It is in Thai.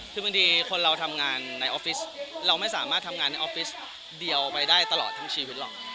คือบางทีคนเราทำงานในออฟฟิศเราไม่สามารถทำงานในออฟฟิศเดียวไปได้ตลอดทั้งชีวิตเรา